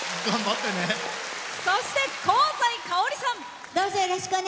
そして、香西かおりさん。